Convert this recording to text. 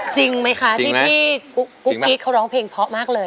จริงไหมคะที่พี่กุ๊กกิ๊กเขาร้องเพลงเพราะมากเลย